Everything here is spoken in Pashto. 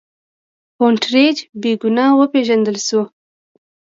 هونټریج بې ګناه وپېژندل شو.